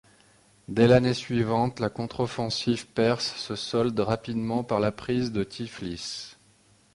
Dès l’année suivante, la contre-offensive perse se solde rapidement par la prise de Tiflis.